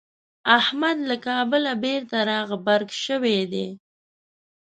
احمد له کابله بېرته راغبرګ شوی دی.